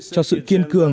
cho sự kiên cường